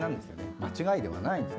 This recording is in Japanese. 間違いではないんです。